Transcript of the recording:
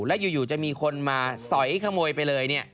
และอยู่จะมีคนมาสอยขโมยไปเลยเนี่ย